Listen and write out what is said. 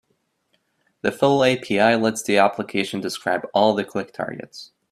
The full API lets the application describe all the click targets.